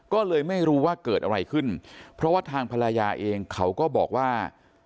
ก็เลยไม่รู้ว่าเกิดอะไรขึ้นเพราะว่าทางภรรยาเองเขาก็บอกว่า